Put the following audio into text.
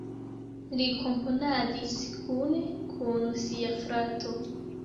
Li komponadis kune kun sia frato.